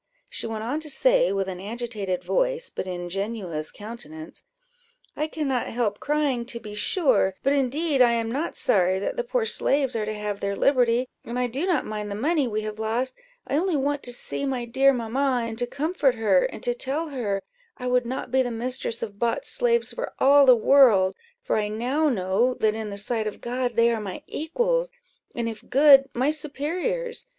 She went on to say, with an agitated voice, but ingenuous countenance "I cannot help crying, to be sure; but indeed I am not sorry that the poor slaves are to have their liberty, and I do not mind the money we have lost; I only want to see my dear mamma, and to comfort her, and to tell her that I would not be the mistress of bought slaves for all the world; for I now know that in the sight of God they are my equals, and if good, my superiors.